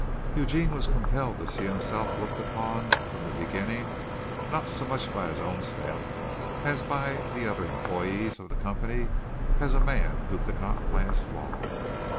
Eugene was compelled to see himself looked upon from the beginning, not so much by his own staff as by the other employees of the company, as a man who could not last long.